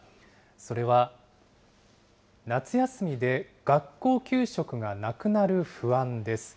それは、夏休みで学校給食がなくなる不安です。